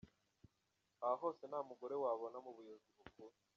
Aha hose nta mugore wabona mu buyobozi bukuru.